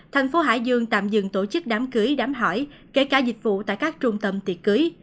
thành phố hải dương tạm dừng tổ chức đám cưới đám hỏi kể cả dịch vụ tại các trung tâm tiệc cưới